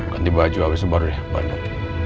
ganti baju habis sebaru deh pak